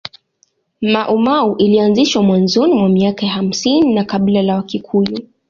Maumau ilianzishwa mwanzoni mwa miaka ya hamsini na kabila la wakikuyu